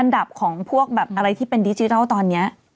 ดับของพวกแบบอะไรที่เป็นดิจิทัลตอนนี้